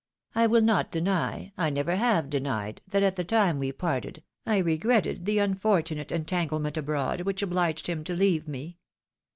I will not deny, I never have denied, that at the time we parted, I regretted the unfortunate entanglement abroad, which obliged him to leave me.